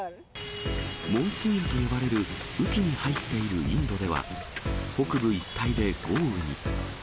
モンスーンと呼ばれる雨期に入っているインドでは、北部一帯で豪雨に。